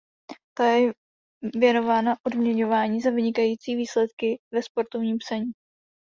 Ta je ""věnována odměňování za vynikající výsledky ve sportovním psaní"".